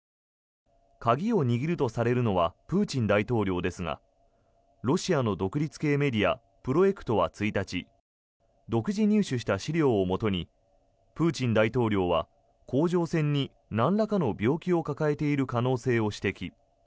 鍵を握るとされるのはプーチン大統領ですがロシアの独立系メディアプロエクトは１日独自入手した資料をもとにプーチン大統領は甲状腺になんらかの病気を抱えている可能性を指摘。